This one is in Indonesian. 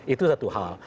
itu satu hal